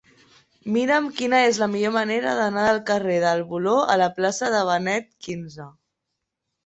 Mira'm quina és la millor manera d'anar del carrer del Voló a la plaça de Benet XV.